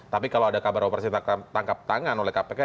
tapi kalau ada kabar operasi tangkap tangan oleh kpk